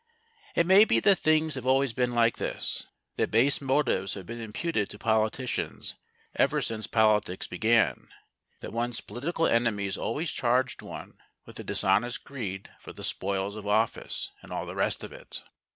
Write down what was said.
It may be that things have always been like this that base motives have been imputed to politicians ever since politics began that one's political enemies always charged one with a dishonest greed for the spoils of office and all the rest of it.